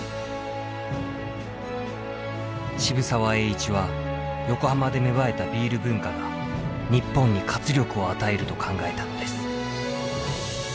渋沢栄一は横浜で芽生えたビール文化が日本に活力を与えると考えたのです。